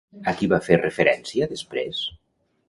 A qui va fer referència després?